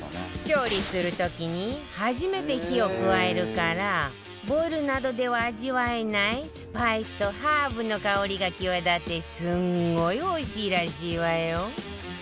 調理する時に初めて火を加えるからボイルなどでは味わえないスパイスとハーブの香りが際立ってすんごいおいしいらしいわよ